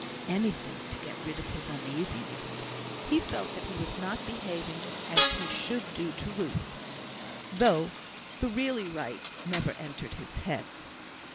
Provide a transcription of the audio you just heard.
Anything to get rid of his uneasiness. He felt that he was not behaving as he should do, to Ruth, though the really right never entered his head.